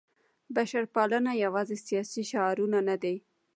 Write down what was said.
بشرپالنه یوازې سیاسي شعارونه نه دي.